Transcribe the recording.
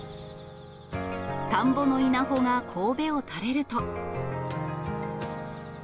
田んぼの稲穂がこうべを垂れると。